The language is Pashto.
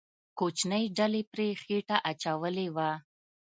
کوچنۍ ډلې پرې خېټه اچولې وه.